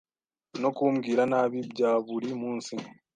no kumbwira nabi byaburi munsi